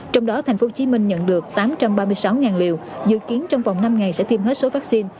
trong đó thành phố hồ chí minh nhận được tám trăm ba mươi sáu liều dự kiến trong vòng năm ngày sẽ tiêm hết số vaccine